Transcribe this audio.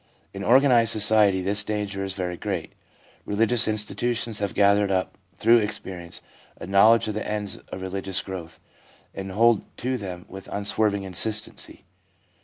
In organised society this danger is very great. Religious institutions have gathered up through experience a knowledge of the ends of religious growth, and hold to them with un swerving insistency.